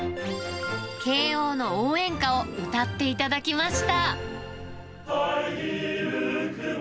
慶応の応援歌を歌っていただきました。